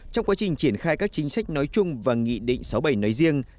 trong quá trình triển khai các chính sách nói chung và nghị định sáu bảy nói riêng